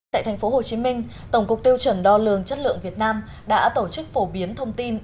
tại thành phố hồ chí minh tổng cục tiêu chuẩn đo lường chất lượng việt nam đã tổ chức phổ biến thông tin